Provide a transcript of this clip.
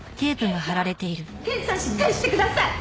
刑事さんしっかりしてください！